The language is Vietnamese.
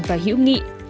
và hữu nghị